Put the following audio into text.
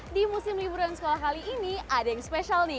di musim liburan sekolah kali ini ada yang spesial nih